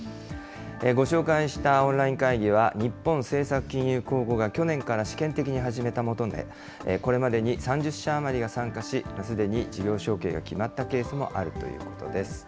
ご紹介したオンライン会議は、日本政策金融公庫が去年から試験的に始めたもので、これまでに３０社余りが参加し、すでに事業承継が決まったケースもあるということです。